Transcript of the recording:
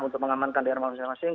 untuk mengamankan daerah masing masing